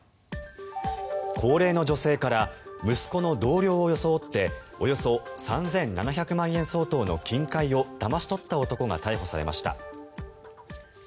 高齢の女性から息子の同僚を装っておよそ３７００万円相当の金塊をだまし取った男が逮捕されました。